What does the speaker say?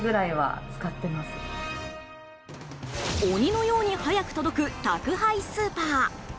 鬼のように速く届く宅配スーパー。